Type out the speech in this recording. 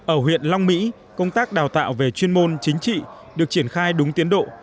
ở huyện long mỹ công tác đào tạo về chuyên môn chính trị được triển khai đúng tiến độ